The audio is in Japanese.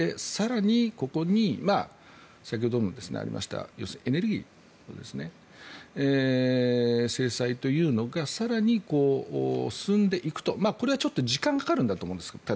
更にここに先ほどもありましたエネルギーの制裁というのが更に進んでいくとこれはちょっと時間がかかると思うんです。